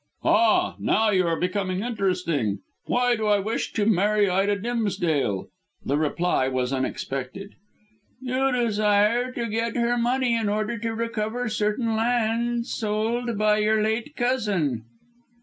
"Ah! Now you are becoming interesting. Why do I wish to marry Ida Dimsdale?" The reply was unexpected. "You desire to get her money in order to recover certain lands sold by your late cousin."